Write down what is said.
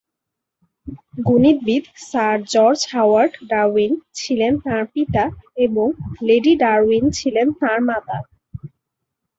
গণিতবিদ sir George Howard Darwin ছিলেন তাঁর পিতা এবং লেডি ডারউইন ছিলেন তাঁর মাতা।